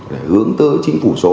để hướng tới chính phủ số